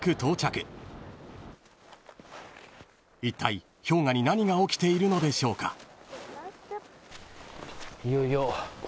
［いったい氷河に何が起きているのでしょうか］